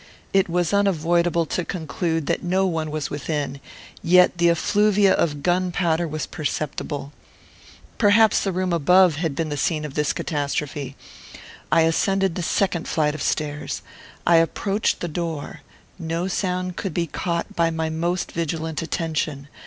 It was unavoidable to conclude that no one was within; yet the effluvia of gunpowder was perceptible. Perhaps the room above had been the scene of this catastrophe. I ascended the second flight of stairs. I approached the door. No sound could be caught by my most vigilant attention.